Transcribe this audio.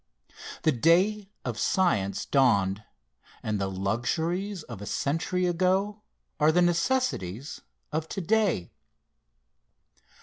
The day of Science dawned, and the luxuries of a century ago are the necessities of to day.